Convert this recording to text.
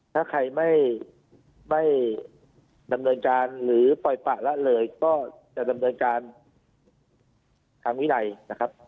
ถ้าใครไม่ดำเนินการหรือปล่อยปะละเลยก็จะดำเนินการทางวินัยนะครับ